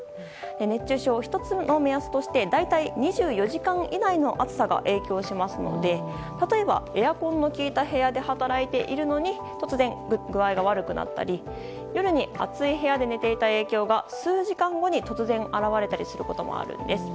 熱中症は１つの目安として大体２４時間以内の暑さが影響しますので例えば、エアコンの効いた部屋で働いているのに突然、具合が悪くなったり夜に暑い部屋で寝ていた影響が数時間後に突然現れたりすることもあるんです。